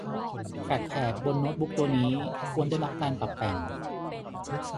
แทรคแพดบนโน้ตบุ๊คตัวนี้ควรได้รับการปรับแต่ง